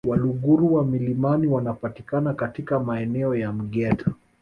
Waluguru wa milimani wanapatikana katika maeneo ya Mgeta